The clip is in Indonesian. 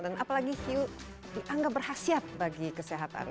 dan apalagi hiu dianggap berhasil bagi kesehatan